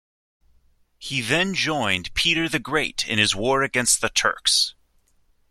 He then joined Peter the Great in his war against the Turks.